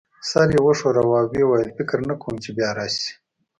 سر یې وښوراوه او ويې ویل: فکر نه کوم چي بیا راشې.